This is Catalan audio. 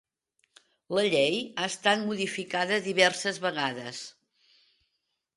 La Llei ha estat modificada diverses vegades.